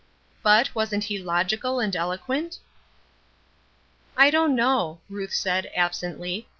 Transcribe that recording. But, wasn't he logical and eloquent?" "I don't know," Ruth said, absently.